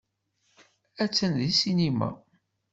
Attan deg ssinima.